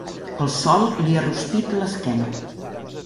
El sol li ha rostit l'esquena.